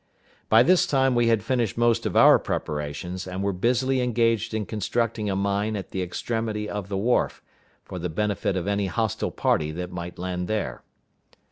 By this time we had finished most of our preparations, and were busily engaged in constructing a mine at the extremity of the wharf, for the benefit of any hostile party that might land there.